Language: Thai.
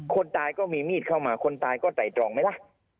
คนตายก็มีมีดเข้ามาคนตายก็ไต่ตรองไหมล่ะ